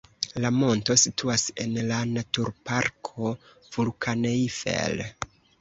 La monto situas en la Naturparko Vulkaneifel.